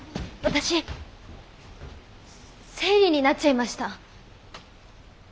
私生理になっちゃいました。